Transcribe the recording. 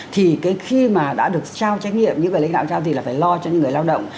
thì khi mà đã được trao trách nhiệm những lãnh đạo trao thì phải lo cho những người lao động